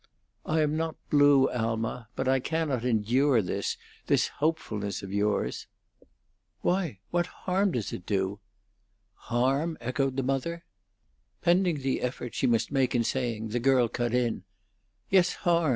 "I am not blue, Alma. But I cannot endure this this hopefulness of yours." "Why? What harm does it do?" "Harm?" echoed the mother. Pending the effort she must make in saying, the girl cut in: "Yes, harm.